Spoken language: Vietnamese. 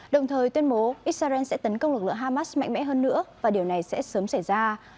đồng thời tuyên bố israel sẽ tấn công lực lượng hamas mạnh mẽ hơn nữa và điều này sẽ sớm xảy ra